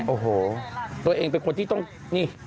โอ้โหตัวเองเป็นคนที่ต้องนี่